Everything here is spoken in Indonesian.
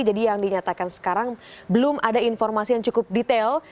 jadi yang dinyatakan sekarang belum ada informasi yang cukup detail